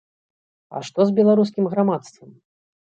А што з беларускім грамадствам?